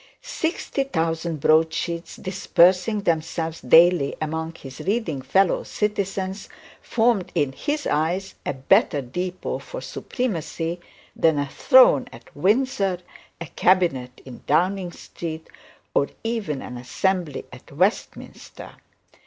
Sixty thousand broad sheets dispersing themselves daily among his reading fellow citizens, formed in his eyes a better depot for supremacy than a throne at Windsor, a cabinet in Downing Street, or even an assembly at Westminster.